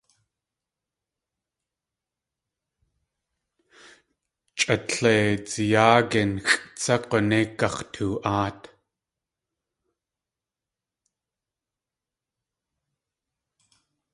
Chʼa tle dziyáaginxʼ tsá g̲unéi gax̲too.áat.